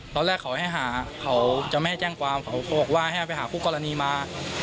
ตอนแรกเขาให้หาเขาจะไม่ให้แจ้งความเขาก็บอกว่าให้ไปหาคู่กรณีมา